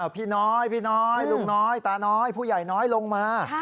พี่น้อยพี่น้อยลุงน้อยตาน้อยผู้ใหญ่น้อยลงมา